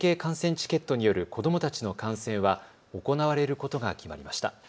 チケットによる子どもたちの観戦は行われることが決まりました。